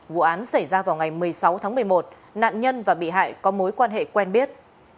vụ án xảy ra vào ngày một mươi sáu tháng một mươi một nạn nhân và bị hại có mối quan hệ quen biết